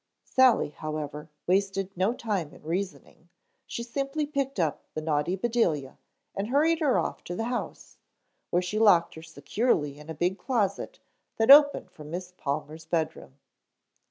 Sally, however, wasted no time in reasoning. She simply picked up the naughty Bedelia and hurried her off to the house, where she locked her securely in a big closet that opened from Miss Palmer's bedroom.